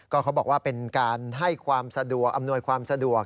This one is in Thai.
เขาบอกว่าเป็นการให้ความสะดวกอำนวยความสะดวก